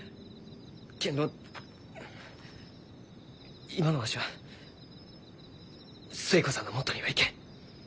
けんど今のわしは寿恵子さんのもとには行けん。